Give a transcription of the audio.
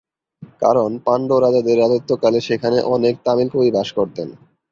কারণ পাণ্ড্য রাজাদের রাজত্বকালে সেখানে অনেক তামিল কবি বাস করতেন।